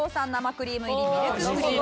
クリーム入りミルククリーム。